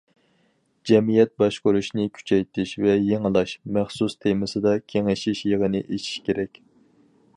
‹‹ جەمئىيەت باشقۇرۇشنى كۈچەيتىش ۋە يېڭىلاش›› مەخسۇس تېمىسىدا كېڭىشىش يىغىنى ئېچىش كېرەك.